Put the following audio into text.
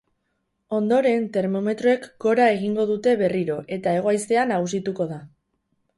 Ondoren, termometroek gora egingo dute berriro eta hego-haizea nagusituko da.